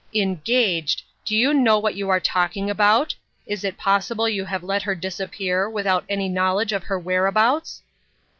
" Engaged ! Do you know what you are talking about ? Is it possible you have let her disappear, without any knowledge of her whereabouts